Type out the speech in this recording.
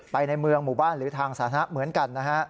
ในเมืองหมู่บ้านหรือทางสาธารณะเหมือนกันนะฮะ